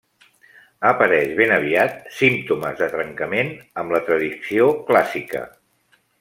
Apareix ben aviat símptomes de trencament amb la tradició clàssica.